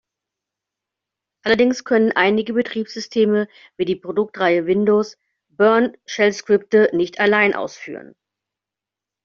Allerdings können einige Betriebssysteme, wie die Produktreihe Windows, Bourne-Shellscripte nicht alleine ausführen.